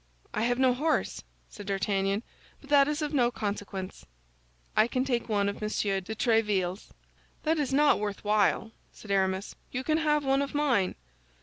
"I have no horse," said D'Artagnan; "but that is of no consequence, I can take one of Monsieur de Tréville's." "That is not worth while," said Aramis, "you can have one of mine."